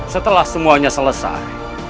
setelah semuanya selesai